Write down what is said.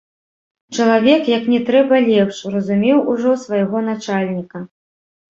Чалавек, як не трэба лепш, разумеў ужо свайго начальніка.